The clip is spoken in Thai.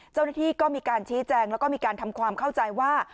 เจ้าหน้าที่ก็มีการชี้แจงแล้วก็มีการทำความเข้าใจว่า